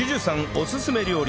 おすすめ料理